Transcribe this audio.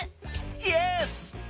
イエス！